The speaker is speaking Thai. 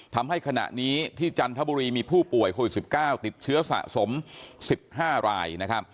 ทำให้ขณะนี้ที่จันทบุรีมีผู้ป่วยโควิด๑๙ติดเชื้อสะสม๑๕รายนะครับ